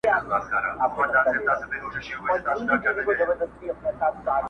پرېږده چي را خور وي تور اوربل دي پر دې سپین رخسار،